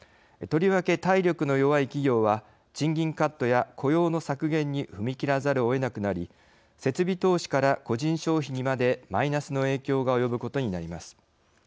とりわけ体力の弱い企業は賃金カットや雇用の削減に踏み切らざるをえなくなり設備投資から個人消費にまでマイナスの影響が及ぶことになります。